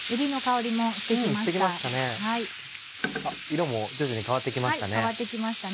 色も徐々に変わって来ましたね。